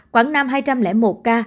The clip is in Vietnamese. quảng nam hai trăm linh một ca